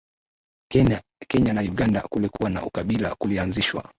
kenya na uganda kulikuwa na ukabila kulianzishwa